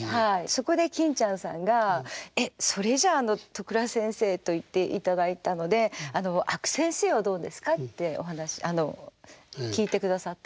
そこで欽ちゃんさんが「えっそれじゃあ都倉先生」と言っていただいたので「あの阿久先生はどうですか？」って聞いてくださったんですね。